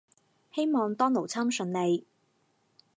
希望當勞侵順利